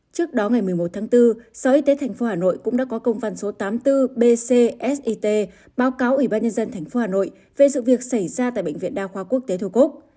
trước đó ngày một mươi một tháng bốn sở y tế tp hà nội cũng đã có công văn số tám mươi bốn bcit báo cáo ủy ban nhân dân tp hà nội về sự việc xảy ra tại bệnh viện đa khoa quốc tế thu cúc